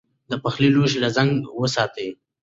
د پخلي لوښي له زنګ وساتئ.